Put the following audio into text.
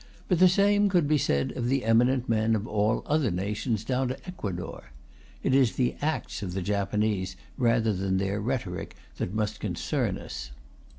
But the same could be said of the eminent men of all other nations down to Ecuador. It is the acts of the Japanese rather than their rhetoric that must concern us.